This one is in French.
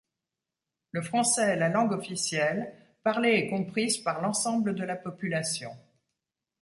Le français est la langue officielle, parlée et comprise par l'ensemble de la population.